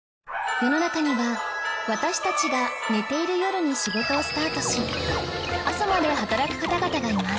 世の中には私たちが寝ている夜に仕事をスタートし朝まで働く方々がいます